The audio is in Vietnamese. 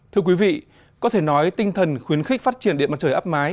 thưa quý vị có thể nói tinh thần khuyến khích phát triển điện mặt trời áp mái